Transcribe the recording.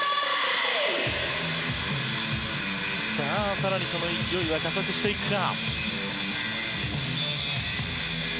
更にその勢いは加速していくか。